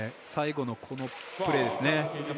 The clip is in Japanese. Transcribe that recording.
最後のプレーですね。